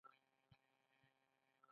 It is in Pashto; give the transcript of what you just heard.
په ده نه ده جوړه.